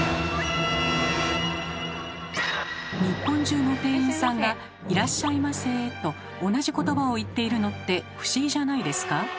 日本中の店員さんが「いらっしゃいませ」と同じ言葉を言っているのって不思議じゃないですか？